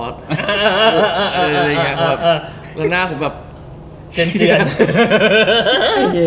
แล้วหน้าผมแบบเจียนเจียน